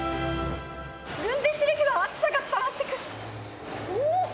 軍手してるけど、熱さが伝わってくる。